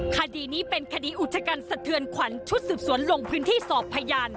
คดีนี้เป็นคดีอุชกันสะเทือนขวัญชุดสืบสวนลงพื้นที่สอบพยาน